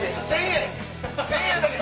１０００円だけ。